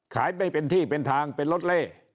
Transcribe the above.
ไม่เป็นที่เป็นทางเป็นรถเล่